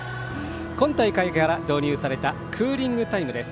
今大会から導入されたクーリングタイムです。